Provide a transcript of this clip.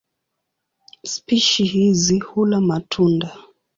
Spishi hizi hula matunda.